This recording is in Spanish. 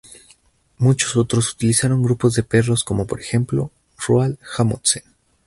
Muchos otros utilizaron grupos de perros como, por ejemplo, Roald Amundsen.